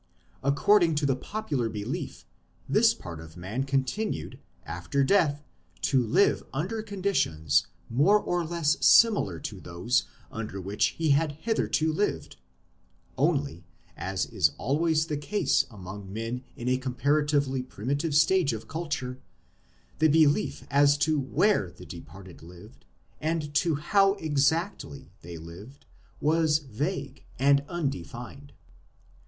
According to the popular belief this part of man continued, after death, to live under conditions more or less similar to those under which he had hitherto lived ; only, as is always the case among men in a comparatively primitive stage of culture, the belief as to where the departed lived and hoiv exactly they lived was vague and undefined.